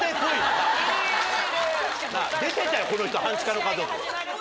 出てたよこの人『半地下の家族』。